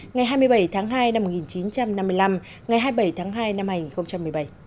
ngày hai mươi bảy tháng hai năm một nghìn chín trăm năm mươi năm ngày hai mươi bảy tháng hai năm hai nghìn một mươi bảy